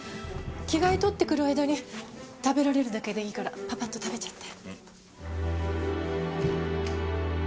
着替え取ってくる間に食べられるだけでいいからパパッと食べちゃって。